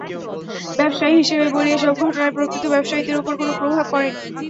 ব্যবসায়ী হিসেবে বলি, এসব ঘটনায় প্রকৃত ব্যবসায়ীদের ওপর কোনো প্রভাব পড়েনি।